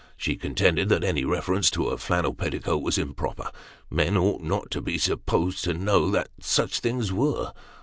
She contended that any reference to a flannel petticoat was improper ; men ought not to be supposed to know that such things were.